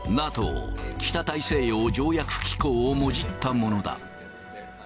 ＮＡＴＯ・北大西洋条約機構をもじったものだ。